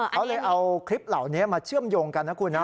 เขาเลยเอาคลิปเหล่านี้มาเชื่อมโยงกันนะคุณนะ